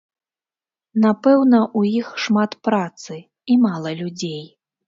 Напэўна, у іх шмат працы і мала людзей.